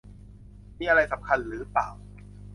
มีอะไรสำคัญหรือเปล่า